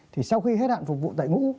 thì sau khi hết hạn phục vụ đại ngũ